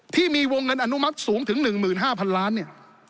ที่มีวงเงินอนุมัติสูงถึงหนึ่งหมื่นห้าพันล้านเนี้ย